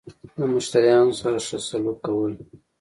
له مشتريانو سره خه سلوک کول